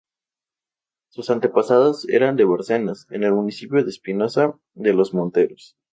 Sus antepasados eran de Bárcenas, en el municipio de Espinosa de los Monteros.